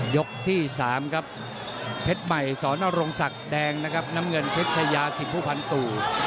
ยกที่๓ครับเพชรใหม่สอนรงศักดิ์แดงนะครับน้ำเงินเพชรชายาสิผู้พันตู่